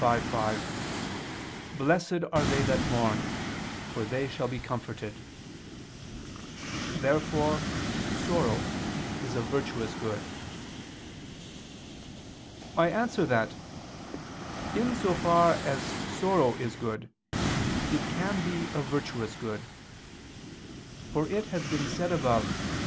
5:5: "Blessed are they that mourn, for they shall be comforted." Therefore sorrow is a virtuous good. I answer that, In so far as sorrow is good, it can be a virtuous good. For it has been said above (A.